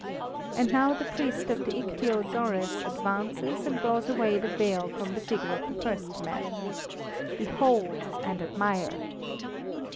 And now the priest of the ichthyosaurus advances and draws away the veil from the figure of the first man. "Behold and admire!"